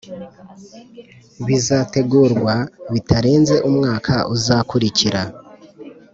bizategurwa bitarenze umwaka uzakurikira